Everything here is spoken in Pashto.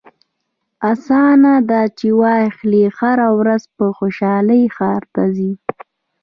اسناد چې واخلي هره ورځ په خوشحالۍ ښار ته ځي.